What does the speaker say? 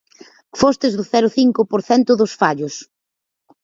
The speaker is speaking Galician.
Fostes do cero cinco por cento dos fallos.